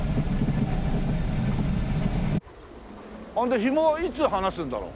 でひもはいつ離すんだろう？